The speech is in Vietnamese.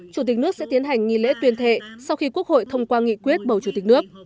chủ tịch nước sẽ tiến hành nghi lễ tuyên thệ sau khi quốc hội thông qua nghị quyết bầu chủ tịch nước